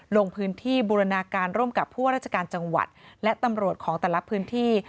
ลงพื้นที่บูรณาการร่วมกับผู้ว่าราชการจังหวัดและตำรวจของแต่ละพื้นที่